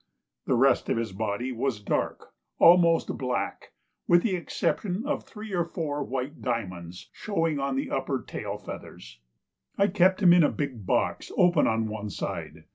The rest of his body was dark, almost black, with the exception of three or four white diamonds showing on the upper tail feathers. I kept him in a big box open on one side.